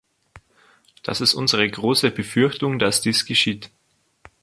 Das ist unsere große Befürchtung, dass dies geschieht.